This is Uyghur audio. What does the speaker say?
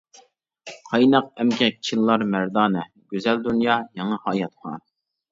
قايناق ئەمگەك چىللار مەردانە، گۈزەل دۇنيا، يېڭى ھاياتقا.